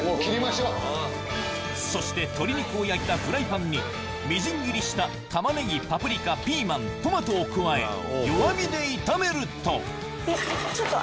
そして鶏肉を焼いたフライパンにみじん切りしたタマネギパプリカピーマントマトを加え弱火で炒めるとちょっと。